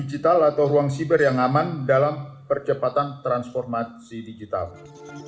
kepocoran data akibat kejahatan siber berpotensi menimbulkan kerugian hingga lima triliun usd pada tahun dua ribu dua puluh empat